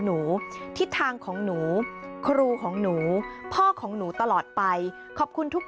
หนูทิศทางของหนูครูของหนูพ่อของหนูตลอดไปขอบคุณทุก